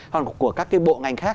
còn của các cái bộ ngành khác